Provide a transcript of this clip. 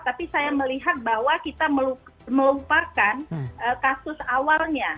tapi saya melihat bahwa kita melupakan kasus awalnya